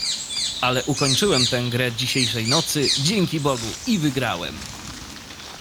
"Ale ukończyłem tę grę dzisiejszej nocy, dzięki Bogu i wygrałem!"